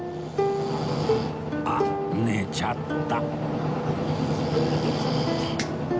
あっ寝ちゃった